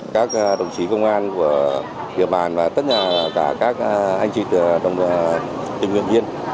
các đồng chí công an của địa bàn và tất cả các anh chị tìm nguyện viên